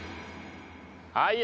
はい。